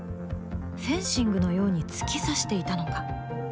フェンシングのように突き刺していたのか？